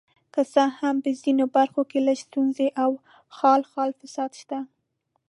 که څه هم په ځینو برخو کې لږې ستونزې او خال خال فساد شته.